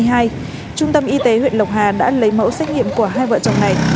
trung tâm y tế huyện lộc hà đã lấy mẫu xét nghiệm của hai vợ chồng này